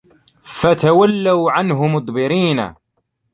فَتَوَلَّوا عَنهُ مُدبِرينَ